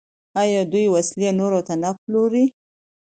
آیا دوی وسلې نورو ته نه پلوري؟